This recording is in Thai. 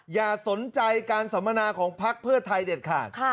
อย่าสนใจการสัมมนาของพักเพื่อไทยเด็ดขาด